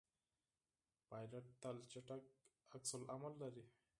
پیلوټ تل چټک عکس العمل لري.